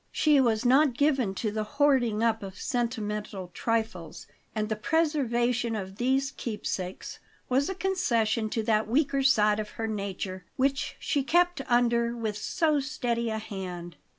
She was not given to the hoarding up of sentimental trifles; and the preservation of these keepsakes was a concession to that weaker side of her nature which she kept under with so steady a hand.